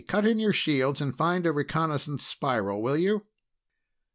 Cut in your shields and find a reconnaissance spiral, will you?"